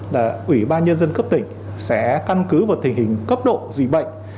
là ủy ban nhân dân cấp tỉnh sẽ căn cứ vào tình hình cấp độ dì bệnh